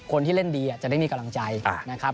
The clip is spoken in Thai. คนที่เล่นดีจะได้มีกำลังใจนะครับ